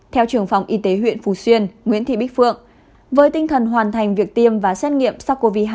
theo trường phòng y tế huyện phú xuyên nguyễn thị bích phượng với tinh thần hoàn thành việc tiêm và xét nghiệm sars cov hai